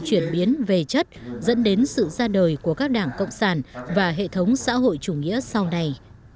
chuyển biến về chất dẫn đến sự ra đời của các đảng cộng sản và hệ thống xã hội chủ nghĩa sau này